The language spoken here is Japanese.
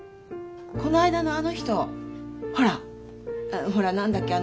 この間のあの人ほらほら何だっけ？